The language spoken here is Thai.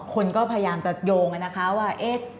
คนก็พยายามจะโยงกันนะคะว่า